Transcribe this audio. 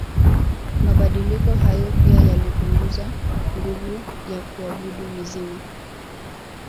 Mabadiliko hayo pia yalipunguza nguvu ya kuabudu mizimu